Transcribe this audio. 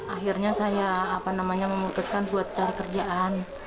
akhirnya saya memutuskan buat cari kerjaan